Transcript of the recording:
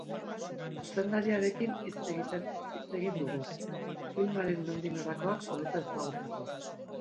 Zuzendariarekin hitz egin dugu, filmaren nondik norakoak hobeto ezagutzeko.